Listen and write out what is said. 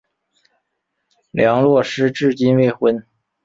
梁洛施至今未婚。